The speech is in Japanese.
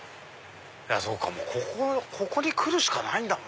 そうかここに来るしかないね。